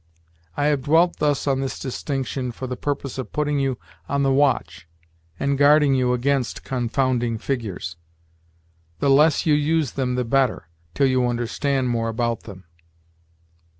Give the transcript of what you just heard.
I have dwelt thus on this distinction for the purpose of putting you on the watch and guarding you against confounding figures. The less you use them the better, till you understand more about them."